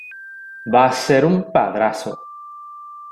va a ser un padrazo.